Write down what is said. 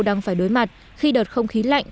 đang phải đối mặt khi đợt không khí lạnh